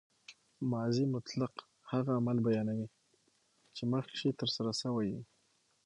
ماضي مطلق هغه عمل بیانوي، چي مخکښي ترسره سوی يي.